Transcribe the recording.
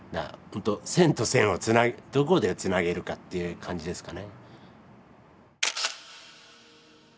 線と線をどこでつなげるかっていう感じですかね。